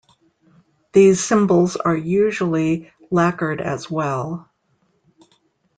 These cymbals are usually lacquered as well.